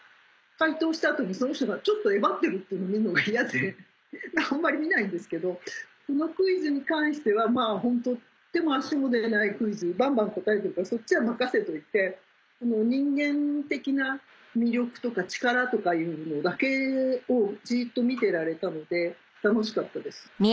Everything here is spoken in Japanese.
解答した後にその人がちょっと威張ってるっていうのを見んのが嫌でだからあんまり見ないんですけどこのクイズに関してはホント手も足も出ないクイズにバンバン答えて行くからそっちは任せといて人間的な魅力とか力とかいうのだけをじっと見てられたので楽しかったです。